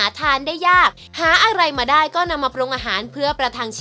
นี่คือความที่สุดท้ายของจาจังแม่ง